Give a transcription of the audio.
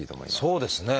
そうですね。